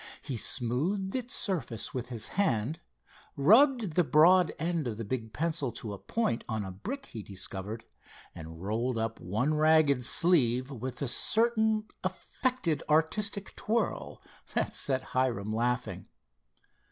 He smoothed its surface with his hand, rubbed the broad end of the big pencil to a point on a brick he discovered, and rolled up one ragged sleeve with a certain affected, artistic twirl that set Hiram laughing.